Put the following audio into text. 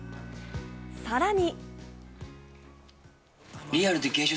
さらに。